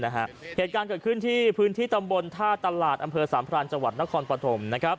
เหตุการณ์เกิดขึ้นที่พื้นที่ตำบลท่าตลาดอำเภอสามพรานจังหวัดนครปฐม